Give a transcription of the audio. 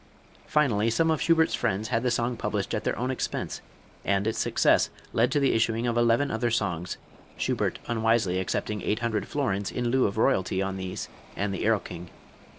Finally, some of Schubert's friends had the song published at their own expense, and its success led to the issuing of eleven other songs, Schubert unwisely accepting eight hundred florins in lieu of royalty on these and the "Erlking."